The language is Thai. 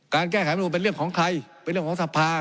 การแก้ไขมนุนเป็นเรื่องของใครเป็นเรื่องของสภา